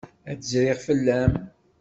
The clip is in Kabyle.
Ad d-zriɣ fell-am.